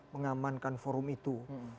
mengamankan forum itu